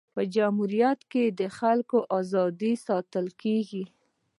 په جمهوریت کي د خلکو ازادي ساتل کيږي.